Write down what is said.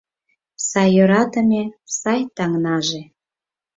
Сай йӧратыме сай таҥнаже